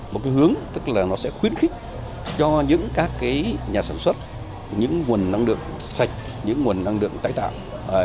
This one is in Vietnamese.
một cái hướng tức là nó sẽ khuyến khích cho những các cái nhà sản xuất những nguồn năng lượng sạch những nguồn năng lượng tái tạo